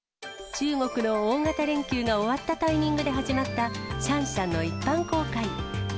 中国の大型連休が終わったタイミングで始まった、シャンシャンの一般公開。